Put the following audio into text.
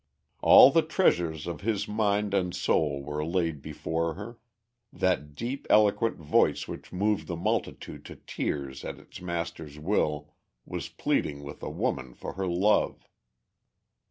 All the treasures of his mind and soul were laid before her; that deep, eloquent voice which moved the multitude to tears at its master's will was pleading with a woman for her love.